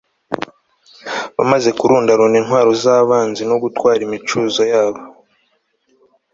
bamaze kurundarunda intwaro z'abanzi no gutwara imicuzo yabo